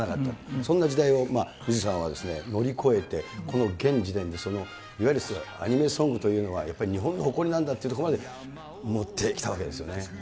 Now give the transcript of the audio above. そんな時代をさんは乗り越えて、この現時点で、いわゆるアニメソングというのは、日本の誇りなんだというとこまで持ってきたわけですよね。